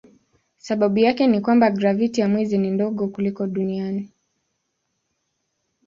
Sababu yake ni ya kwamba graviti ya mwezi ni ndogo kuliko duniani.